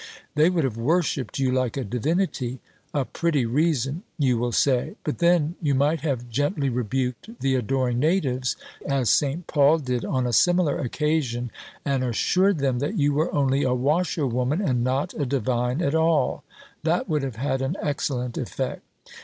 They would have worshipped you like a divinity. A pretty reason! you will say. But then you might have gently rebuked the adoring natives as St. Paul did on a similar occasion, and assured them that you were only a Washerwoman and not a Divine at all; that would have had an excellent effect."